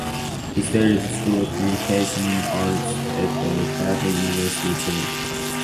He studied at the School of Communication Arts at the Catholic University of Chile.